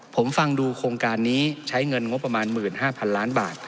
ผมฟังดูโครงการนี้ใช้เงินงบประมาณ๑๕๐๐๐ล้านบาท